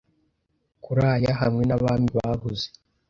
Kuraya hamwe nabami babuze